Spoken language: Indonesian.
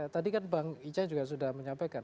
tadi kan bang ica juga sudah menyampaikan